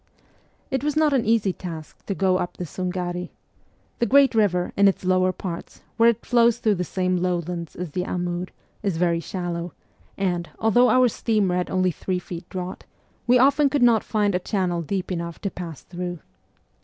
It was not an easy task to go up the Sungari. The great river, in its lower parts, where it flows through the same lowlands as the Amur, is very shallow, and, although our steamer had only three feet draught, we often could not find a channel deep enough to pass through.